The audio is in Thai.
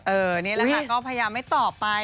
นี่แหละค่ะก็พยายามไม่ตอบไป